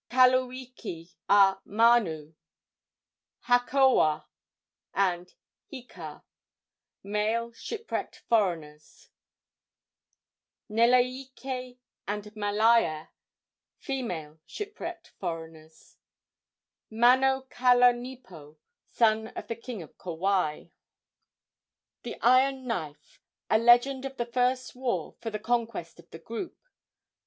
Kaluiki a Manu, Hakoa and Hika, males, Neleike and Malaea, females, shipwrecked foreigners. Manokalanipo, son of the king of Kauai. THE IRON KNIFE. A LEGEND OF THE FIRST WAR FOR THE CONQUEST OF THE GROUP.